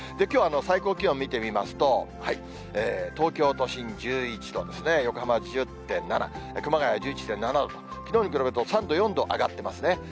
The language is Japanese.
きょう、最高気温見てみますと、東京都心１１度ですね、横浜は１０．７、熊谷１１．７度と、きのうに比べると、３度、４度、上がってますね。